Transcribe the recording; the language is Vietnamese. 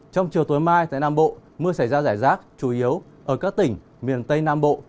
trong chiều tối mai tại nam bộ mưa xảy ra giải rác chủ yếu ở các tỉnh miền tây nam bộ